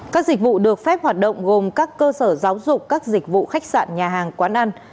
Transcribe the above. các dịch vụ được phép hoạt động gồm các cơ sở giáo dục các dịch vụ khách sạn nhà hàng quán ăn